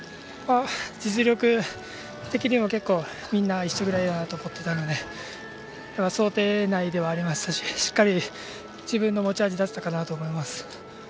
実力的にも結構みんな一緒ぐらいだと思ってたので想定内ではありましたししっかり自分の持ち味を出せたかなと思います。